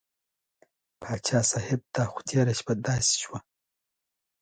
پاچا صاحب دا خو تېره شپه داسې شوه.